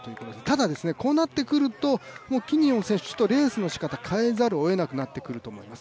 ただ、こうなってくると、キニオン選手はレースのしかたを変えざるをえなくなってくると思います。